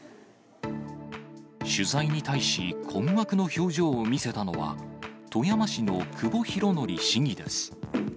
取材に対し、困惑の表情を見せたのは、富山市の久保大憲市議です。